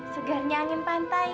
segarnya angin pantai